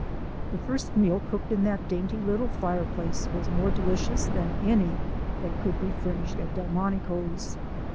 6; The first meal cooked in that dainty little fire place was more delicious than any that could be furnished at Delmonico's.